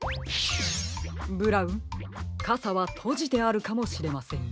ブラウンかさはとじてあるかもしれませんよ。